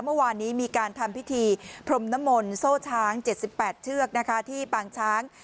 เมื่อวานนี้มีการทำพิธีพรมนมลโซ่ช้าง๗๘เชือกนะคะที่ปางช้าง